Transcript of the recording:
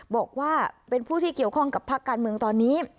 บอกว่าเป็นผู้ที่เกี่ยวข้องกับภาคการเมืองตอนนี้